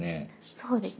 そうですね。